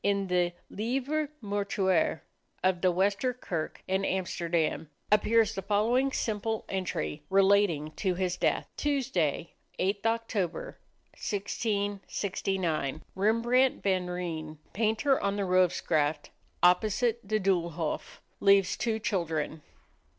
In the "Livre Mortuaire" of the Wester Kerk in Amsterdam appears the following simple entry, relating to his death: "Tuesday, 8th Oct., 1669, Rembrandt van Rijn, Painter on the Rovzegraft, opposite the Doolhof. Leaves two children."